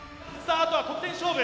あとは得点勝負。